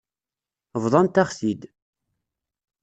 Bḍant-aɣ-t-id.